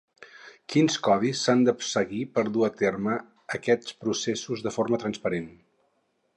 Quins codis s'han de seguir per dur a terme aquests processos de forma transparent?